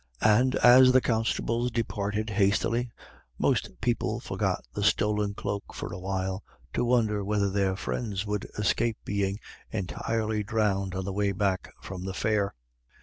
And as the constables departed hastily, most people forgot the stolen cloak for a while to wonder whether their friends would escape being entirely drowned on the way back from the fair.